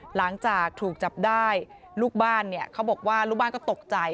หลังจากถูกจับได้ลูกบ้านเนี่ยเขาบอกว่าลูกบ้านก็ตกใจ